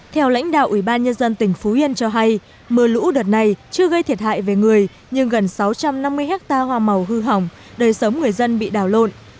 theo lãnh đạo ủy ban nhân dân tỉnh phú yên cho hay mưa lũ đợt này chưa gây thiệt hại về người nhưng gần sáu trăm năm mươi hectare hoa màu hư hỏng đời sống người dân bị đảo lộn